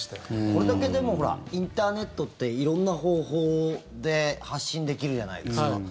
これだけ、でもインターネットって色んな方法で発信できるじゃないですか。